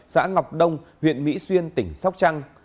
xã ngọc đông huyện mỹ xuyên tỉnh sóc trăng